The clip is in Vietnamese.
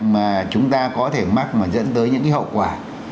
mà chúng ta có thể mắc mà dẫn tới những cái hậu quả